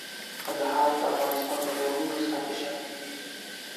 کندهار د افغانستان د پوهنې نصاب کې شامل دي.